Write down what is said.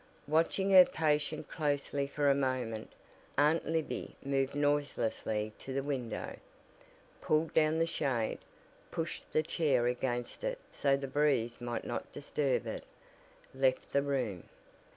Watching her patient closely for a moment, Aunt Libby moved noiselessly to the window, pulled down the shade, pushed the chair against it so the breeze might not disturb it, left the room.